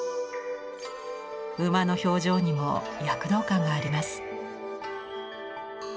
馬の表情にも躍動感があります。